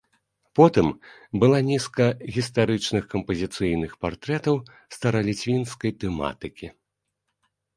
Потым была нізка гістарычных кампазіцыйных партрэтаў стараліцвінскай тэматыкі.